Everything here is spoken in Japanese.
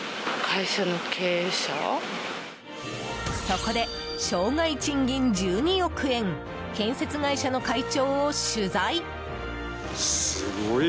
そこで生涯賃金１２億円建設会社の会長を取材。